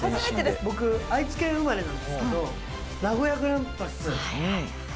僕愛知県生まれなんですけど名古屋グランパスを推してて。